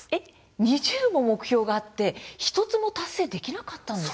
２０も目標があって１つも達成できなかったんですか。